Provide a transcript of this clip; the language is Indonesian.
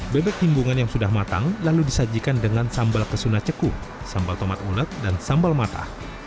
bebek timbungan yang sudah matang lalu disajikan dengan sambal kesuna cekung sambal tomat ulet dan sambal mata